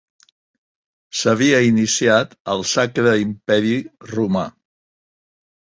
S'havia iniciat el Sacre Imperi romà.